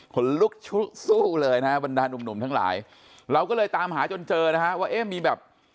คนลุกสู้เลยนะฮะบรรดานุ่มหนุ่มทั้งหลายเราก็เลยตามหาจนเจอนะฮะว่าเอ๊ะมีแบบ